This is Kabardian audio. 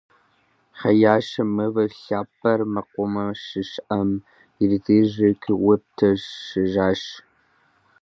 ХеящӀэм мывэ лъапӀэр мэкъумэшыщӀэм иритыжри къиутӀыпщыжащ.